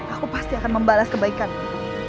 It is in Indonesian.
aku pasti akan membalas kebaikanmu